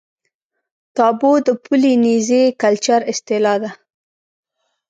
تابو د پولي نیزي کلچر اصطلاح ده.